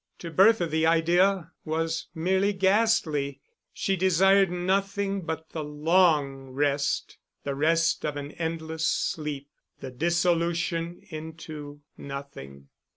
To Bertha the idea was merely ghastly; she desired nothing but the long rest, the rest of an endless sleep, the dissolution into nothing.